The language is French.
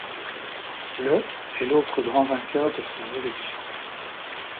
Le est l'autre grand vainqueur de ces élections.